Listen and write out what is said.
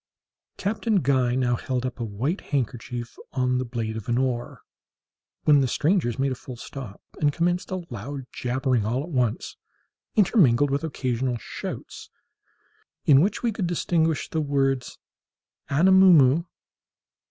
Captain Guy now held up a white handkerchief on the blade of an oar, when the strangers made a full stop, and commenced a loud jabbering all at once, intermingled with occasional shouts, in which we could distinguish the words Anamoo moo!